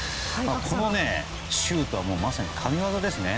このシュートはまさに神業ですね。